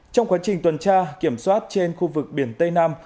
trong quá trình tuần tra kiểm soát trên khu vực biển tây nam